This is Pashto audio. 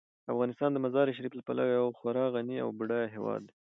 افغانستان د مزارشریف له پلوه یو خورا غني او بډایه هیواد دی.